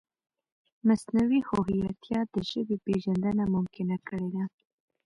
مصنوعي هوښیارتیا د ژبې پېژندنه ممکنه کړې ده.